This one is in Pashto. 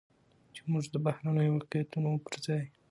چې موږ د بهرنيو واقعيتونو پرځاى